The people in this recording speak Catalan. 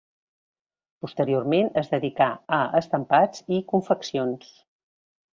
Posteriorment es dedicà a estampats i confeccions.